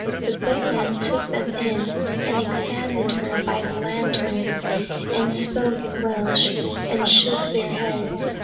The boatmen took them in and examined her by the lantern and spoke in Welsh and shook their heads.